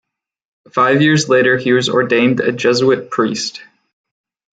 Five years later he was ordained a Jesuit priest.